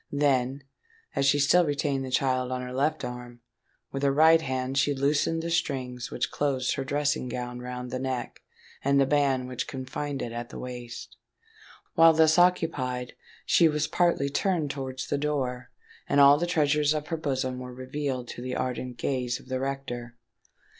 Then, as she still retained the child on her left arm, with her right hand she loosened the strings which closed her dressing gown round the neck and the band which confined it at the waist. While thus occupied, she was partly turned towards the door; and all the treasures of her bosom were revealed to the ardent gaze of the rector.